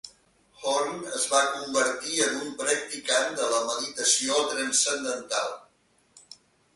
Horn es va convertir en un practicant de la meditació transcendental.